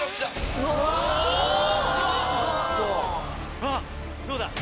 あっどうだ？